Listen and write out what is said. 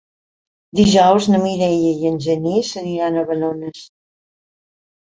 Dijous na Mireia i en Genís aniran a Balones.